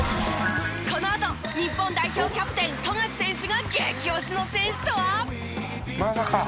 このあと日本代表キャプテン富樫選手が激推しの選手とは？